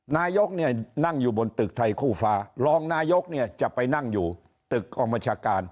นายกเนี่ยนั่งอยู่บนตึกไทยคู่ฟ้ารองนายกเนี่ยจะไปนั่งอยู่ตึกกองบัญชาการ